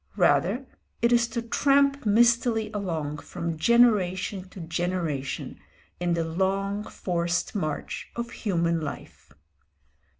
Rather, it is to tramp mistily along from generation to generation in the long, forced march of human life.